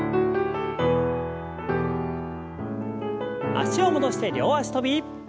脚を戻して両脚跳び。